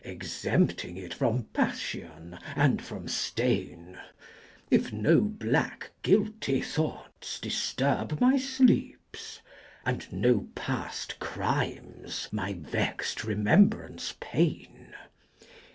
Exempting it from Paffion and from Stain : |f no black guilty Thoughts difturb my Sleeps, And HQ paff Crimes my vext Remembrance pain.